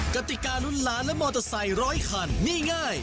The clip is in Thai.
กติการุ้นล้านและมอเตอร์ไซค์ร้อยคันนี่ง่าย